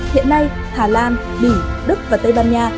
hiện nay hà lan bỉ đức và tây ban nha